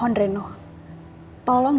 tolong jangan bicara dengan aku